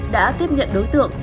đã tiếp nhận đối tượng